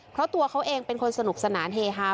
เพราะตัวเขาเองเป็นคนสนุกสนานเฮฮา